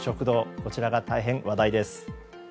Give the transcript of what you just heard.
こちらが大変話題です。